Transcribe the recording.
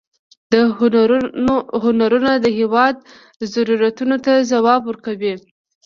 دا هنرونه د هېواد ضرورتونو ته ځواب ورکاوه.